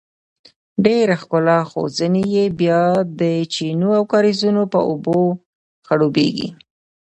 ډیره ښکلا خو ځینې یې بیا د چینو او کاریزونو په اوبو خړوبیږي.